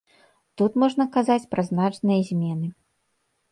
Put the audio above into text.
Тут можна казаць пра значныя змены.